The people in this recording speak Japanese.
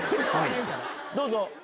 どうぞ。